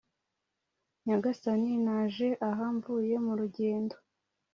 “Nyagasani, naje aha mvuye mu rugendo